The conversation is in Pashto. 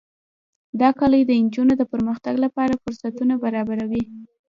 دا کلي د نجونو د پرمختګ لپاره فرصتونه برابروي.